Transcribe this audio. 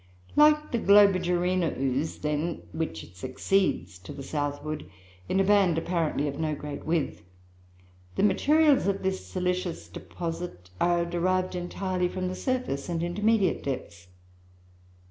Like the Globigerina ooze, then, which it succeeds to the southward in a band apparently of no great width, the materials of this silicious deposit are derived entirely from the surface and intermediate depths.